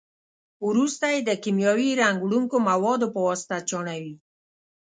وروسته یې د کیمیاوي رنګ وړونکو موادو په واسطه چاڼوي.